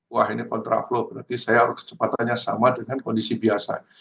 wah ini kontra flow berarti saya harus kecepatannya sama dengan kondisi biasa